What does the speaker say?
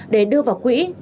để đưa vào quỹ